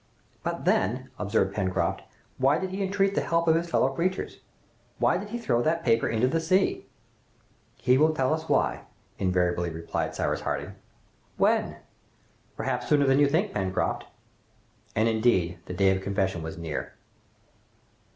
"But then," observed Pencroft, "why did he entreat the help of his fellow creatures? Why did he throw that paper into the sea?" "He will tell us why," invariably replied Cyrus Harding. "When?" "Perhaps sooner than you think, Pencroft." And, indeed, the day of confession was near.